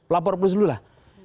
laporan dulu lah